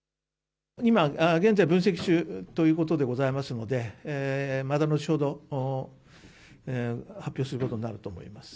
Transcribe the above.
現在、分析中ということでございますので、また後ほど発表することになると思います。